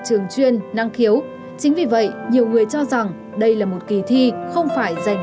trường chuyên năng khiếu chính vì vậy nhiều người cho rằng đây là một kỳ thi không phải dành